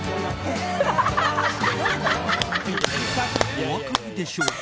お分かりでしょうか？